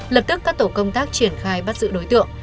lập tức các tổ công tác triển khai bắt giữ đối tượng